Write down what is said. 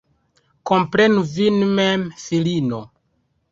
Komprenu vin mem, filino.